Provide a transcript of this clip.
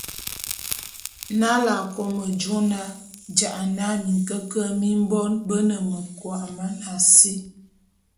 Nalé a kôbô jô na ja’ana minkeñelé mi bon be ne mekua mana si,